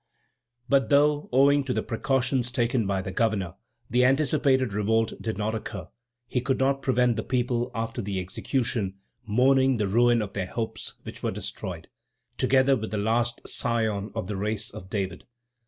But though, owing to the precautions taken by the governor, the anticipated revolt did not occur, he could not prevent the people, after the execution, mourning the ruin of their hopes, which were destroyed, together with the last scion of the race of David.